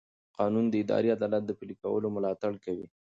قانون د اداري عدالت د پلي کولو ملاتړ کوي.